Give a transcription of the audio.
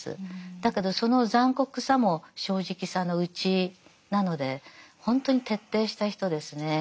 だけどその残酷さも正直さのうちなのでほんとに徹底した人ですね。